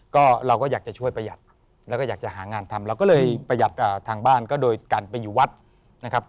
ก็เราก็อยากจะช่วยประหยัดแล้วก็อยากจะหางานทำเราก็เลยประหยัดทางบ้านก็โดยการไปอยู่วัดนะครับ